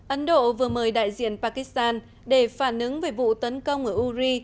ấn độ vừa mời đại diện pakistan để phản ứng về vụ tấn công ở uri